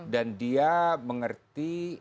dan dia mengerti